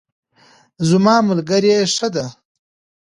زما ملګرۍ ښه دی